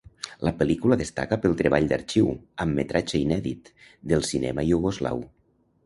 La pel·lícula destaca pel treball d'arxiu, amb metratge inèdit, del cinema iugoslau.